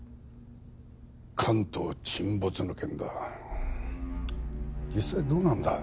関東沈没の件だ実際どうなんだ？